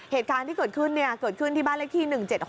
เหตุการณ์ที่เกิดขึ้นเกิดขึ้นที่บ้านเลขที่๑๗๖